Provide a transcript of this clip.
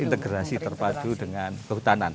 yang terintegrasi terpadu dengan kehutanan